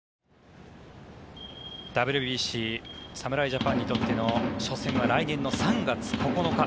ＷＢＣ侍ジャパンにとっての初戦は来年の３月９日